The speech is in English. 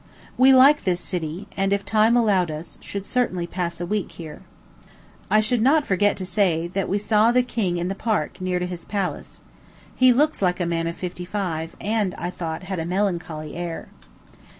We like this city, and, if time allowed us, should certainly pass a week here. I should not forget to say that we saw the king in the Park, near to his palace. He looks like a man of fifty five, and, I thought, had a melancholy air.